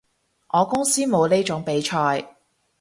我公司冇呢種比賽